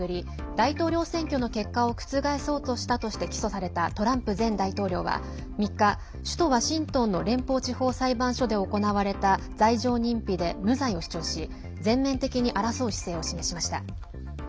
大統領選挙の結果を覆そうとしたとして起訴されたトランプ前大統領は３日首都ワシントンの連邦地方裁判所で行われた罪状認否で無罪を主張し全面的に争う姿勢を示しました。